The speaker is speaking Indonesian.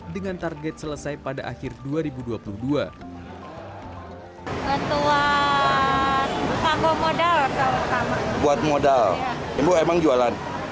dengan target selesai pada akhirnya